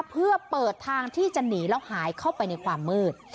เพื่อเปิดทางที่จะหนีแล้วหายเข้าไปในความมืด